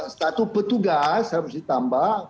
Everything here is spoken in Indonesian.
satu petugas harus ditambah